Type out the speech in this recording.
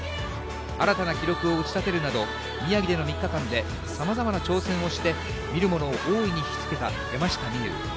新たな記録を打ち立てるなど、宮城での３日間で、さまざまな挑戦をして、見るものを大いに引き付けた山下美夢有。